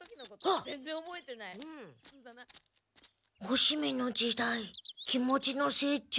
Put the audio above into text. おしめの時代気持ちの成長。